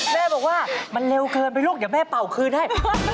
แม่บอกว่ามันเร็วเกินไปลูกเดี๋ยวแม่เป่าคืนให้